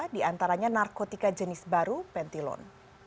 diantaranya narkotika jenis baru pentilon